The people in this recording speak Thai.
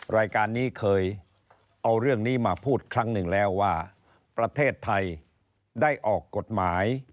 รายการนี้เคยเอาเรื่องนี้มาพูดครั้งหนึ่งแล้วว่าประเทศไทยได้ออกกฎหมาย